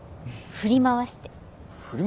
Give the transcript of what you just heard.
「振り回して」？